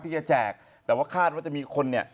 ที่จะแจกแต่ว่าคาดว่าจะมีคน